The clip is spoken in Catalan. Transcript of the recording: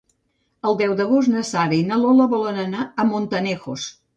El deu d'agost na Sara i na Lola volen anar a Montanejos.